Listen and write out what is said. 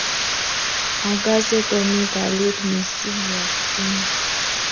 Akase komi kalyet mising ya kitinye